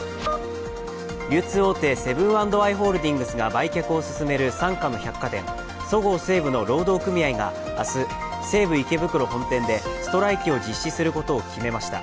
流通大手、セブン＆アイ・ホールディングスが売却を進める傘下の百貨店、そごう・西武の労働組合が明日、西武池袋本店でストライキを実施することを決めました。